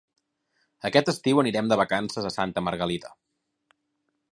Aquest estiu anirem de vacances a Santa Margalida.